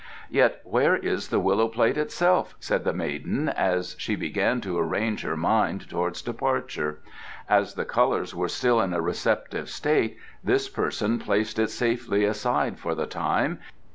"Yet where is the Willow plate itself?" said the maiden, as she began to arrange her mind towards departure. "As the colours were still in a receptive state this person placed it safely aside for the time.